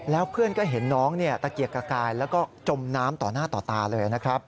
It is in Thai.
แล้วเพื่อนก็เห็นน้องตะเกียกตะกายแล้วก็จมน้ำต่อหน้าต่อตาเลยนะครับ